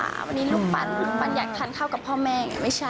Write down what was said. อันนี้ลูกปันลูกปันอยากทันเข้ากับพ่อแม่ไงไม่ใช่